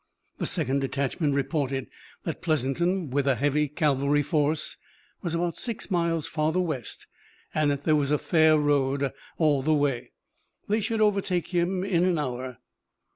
The second detachment reported that Pleasanton, with a heavy cavalry force, was about six miles farther west and that there was a fair road all the way. They should overtake him in an hour.